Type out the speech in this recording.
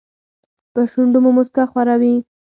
په شونډو مو موسکا خوره وي .